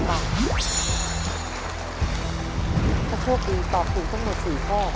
ถ้าโชคดีตอบถูกทั้งหมด๔ข้อ